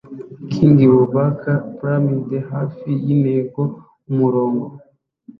kingbubaka piramide hafi yintego-umurongo